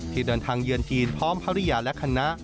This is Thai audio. ที่เดินทางเยือนจีนพร้อมภรรยาและคณะ